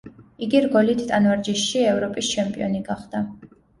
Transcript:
იგი რგოლით ტანვარჯიშში ევროპის ჩემპიონი გახდა.